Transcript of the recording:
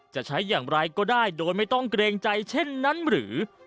จะใช้อย่างไรก็ได้โดยไม่ต้องเกรงใจเช่นนั้นหรือ